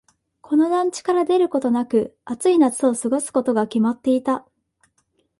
この団地から出ることなく、暑い夏を過ごすことが決まっていた。